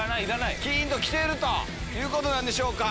キンと来てるということなんでしょうか。